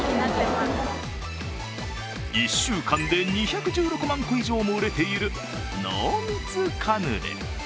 １週間で２１６万個以上も売れている濃密カヌレ。